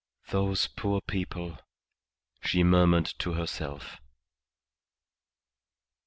"Those poor people!" she murmured to herself.